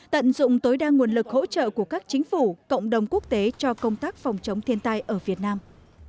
tận dụng tối đa nguồn lực hỗ trợ của các chính phủ cộng đồng quốc tế cho công tác phòng chống thiên tai ở việt nam